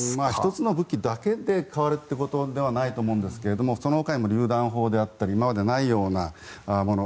１つの武器だけで変わるってことではないと思うんですがそのほかにもりゅう弾砲であったり今までないようなもの